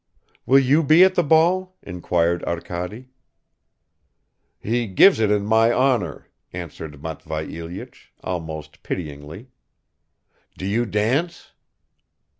"Will you be at the ball?" inquired Arkady. "He gives it in my honor," answered Matvei Ilyich, almost pityingly. "Do you dance?"